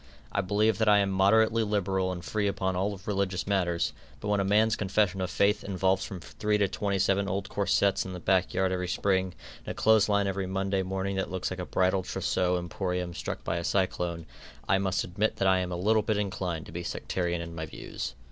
I believe that I am moderately liberal and free upon all religious matters, but when a man's confession of faith involves from three to twenty seven old corsets in the back yard every spring, and a clothes line every Monday morning that looks like a bridal trousseau emporium struck by a cyclone, I must admit that I am a little bit inclined to be sectarian in my views.